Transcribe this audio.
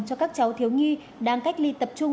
cho các cháu thiếu nhi đang cách ly tập trung